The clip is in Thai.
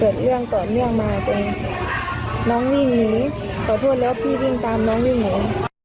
เกิดเรื่องต่อเนื่องมาจนน้องวิ่งหนีขอโทษแล้วพี่วิ่งตามน้องวิ่งหนี